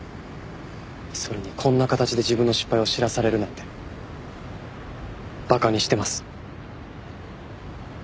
それにこんな形で自分の失敗を知らされるなんて馬鹿にしてます。